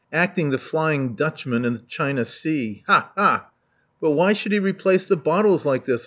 Acting the Flying Dutchman in the China Sea! Ha! Ha!" "But why should he replace the bottles like this?" .